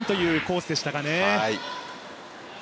オンラインというコースでしたかね。